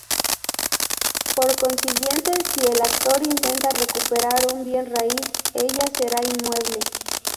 Por consiguiente, si el actor intenta recuperar un bien raíz, ella será inmueble.